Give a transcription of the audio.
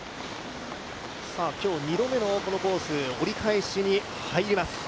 今日２度目のこのコース、折り返しに入ります。